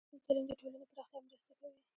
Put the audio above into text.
د نجونو تعلیم د ټولنې پراختیا مرسته کوي.